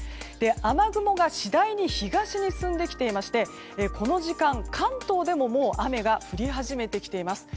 雨雲が次第に東に進んできていましてこの時間、関東でももう雨が降り始めてきています。